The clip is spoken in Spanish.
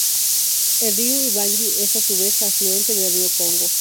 El río Ubangui, es a su vez afluente del Río Congo.